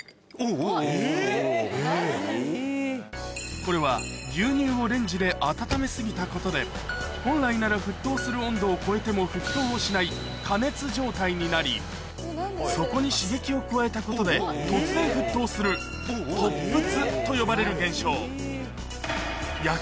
これは、牛乳をレンジで温め過ぎたことで、本来なら沸騰する温度を超えても沸騰をしない過熱状態になり、そこに刺激を加えたことで突然沸騰する、突沸と呼ばれる現象。